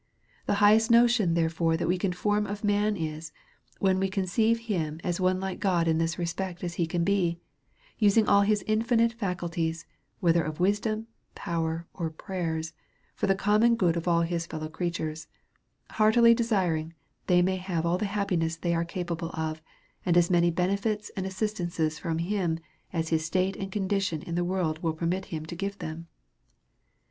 The iiighest notion therefore that we can form of man is, when we conceive him as like to God in this respect as he can be; using all his infinite faculties, whether of wisdom, power, or prayers, for the com mon good of ail his fellow creatures ; heartily desiring they may have all the happiness they are capable of, and as many benefits and assistances from him, as his state and condition in the world will permit him to give them.